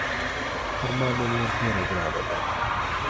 پر ما مې مور ډېره ګرانه ده.